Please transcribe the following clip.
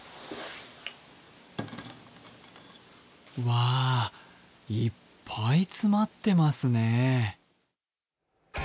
わあ、いっぱい詰まってますね。